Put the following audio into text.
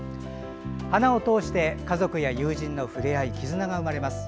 花をとおして家族や友人の触れ合い絆が生まれます。